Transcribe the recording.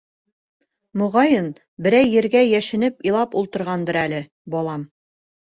Моғайын, берәй ергә йәшенеп илап ултырғандыр әле, балам.